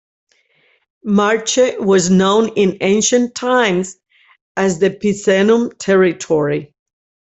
Marche was known in ancient times as the Picenum territory.